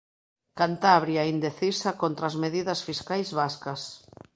Cantabria, indecisa contra as medidas fiscais bascas